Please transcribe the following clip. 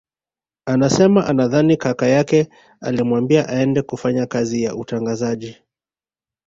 Anasema anadhani kaka yake alimwambia aende kufanya kazi ya utangazaji